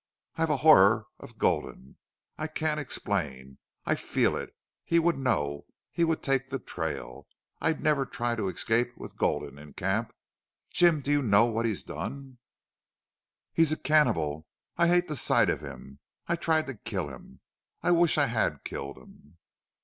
I've a horror of Gulden. I can't explain. I FEEL it. He would know he would take the trail. I'd never try to escape with Gulden in camp.... Jim, do you know what he's done?" "He's a cannibal. I hate the sight of him. I tried to kill him. I wish I had killed him."